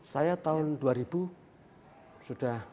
saya tahun dua ribu sudah